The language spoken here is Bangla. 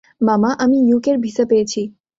মামা, আমি ইউকের ভিসা পেয়েছি।